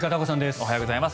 おはようございます。